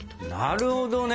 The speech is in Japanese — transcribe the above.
なるほどね！